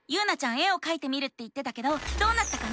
絵をかいてみるって言ってたけどどうなったかな？